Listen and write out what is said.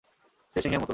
সে সিংহের মতো!